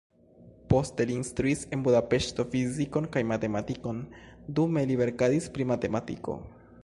Poste li instruis en Budapeŝto fizikon kaj matematikon, dume li verkadis pri matematiko.